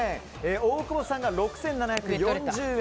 大久保さんが６７４０円。